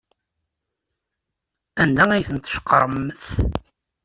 Anda ay ten-tceqremt?